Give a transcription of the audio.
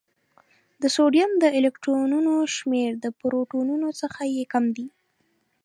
د سوډیم د الکترونونو شمېر د پروتونونو څخه یو کم دی.